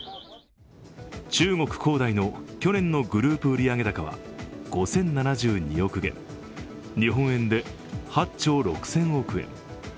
中国恒大の去年のグループ売上高は５０７２億元、日本円で８兆６０００億円。